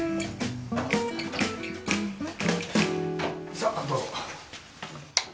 さっどうぞ。